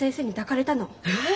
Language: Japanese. えっ！？